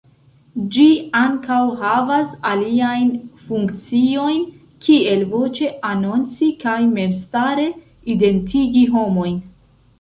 Ĝi ankaŭ havas aliajn funkciojn, kiel voĉe anonci kaj memstare identigi homojn.